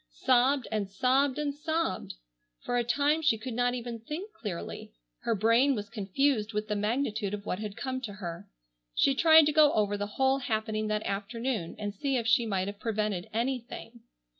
Sobbed and sobbed and sobbed! For a time she could not even think clearly. Her brain was confused with the magnitude of what had come to her. She tried to go over the whole happening that afternoon and see if she might have prevented anything.